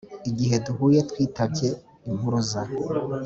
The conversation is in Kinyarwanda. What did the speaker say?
Igihe duhuye twitabye Impuruza